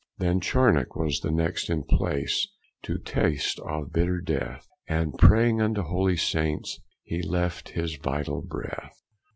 Then Charnock was the next in place To taste of bitter death; And praying unto holy saints, He left his vitall breath.